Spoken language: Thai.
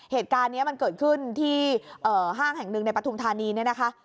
เหตุการณ์นี้มันเกิดขึ้นที่ห้างแห่งหนึ่งในปฐุมธานีเนี่ยนะคะ